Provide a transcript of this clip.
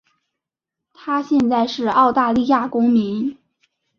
她现在是澳大利亚公民。